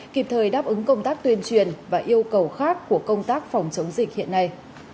kịp thời đáp ứng công tác tuyên truyền và yêu cầu khác của công tác phòng chống dịch hiện nay